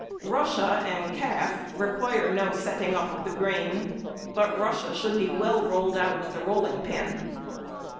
Russia and calf require no setting up of the grain, but russia should be well rolled out with the rolling pin.